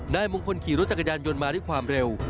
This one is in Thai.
นายมงคลขี่รถจักรยานยนต์มาด้วยความเร็ว